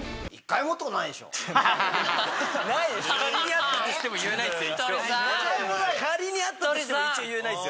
仮にあったとしても言えないっすよ。